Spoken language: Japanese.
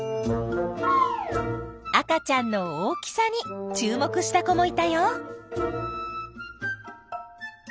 赤ちゃんの大きさに注目した子もいたよ。